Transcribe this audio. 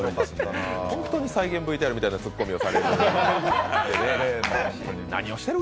本当に再現ＶＴＲみたいなツッコミをされる。